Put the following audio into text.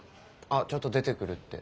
あっちょっと出てくるって。